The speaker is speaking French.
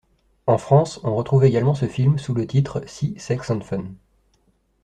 En France, on retrouve également ce film sous le titre Sea, Sex and Fun.